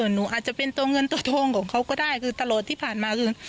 หนูอาจจะเป็นตัวเงินตัวทองของเขาก็ได้คือตลอดที่ผ่านมาคือ